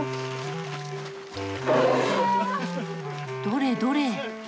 どれどれ？